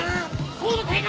高度低下！